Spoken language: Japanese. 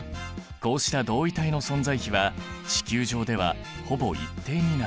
こうした同位体の存在比は地球上ではほぼ一定になる。